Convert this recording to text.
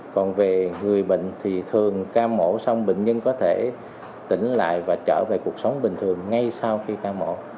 còn về người bệnh thì thường ca mổ xong bệnh nhân có thể tỉnh lại và trở về cuộc sống bình thường ngay sau khi ca mổ